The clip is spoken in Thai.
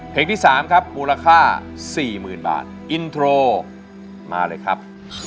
เพลงที่๓ครับมูลค่า๔๐๐๐บาทอินโทรมาเลยครับ